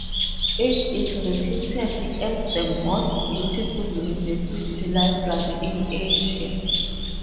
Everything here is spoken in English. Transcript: It is reputed as "the most beautiful university library in Asia".